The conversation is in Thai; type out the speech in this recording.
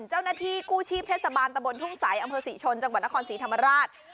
เจ้าหน้าที่กู้ชีพเทศบาลตะบนทุ่งสายอำเภอศรีชนจังหวัดนครศรีธรรมราช